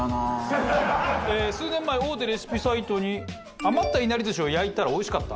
数年前大手レシピサイトに「余ったいなり寿司を焼いたらおいしかった」。